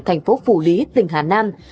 thành phố phủ lý tỉnh hà nam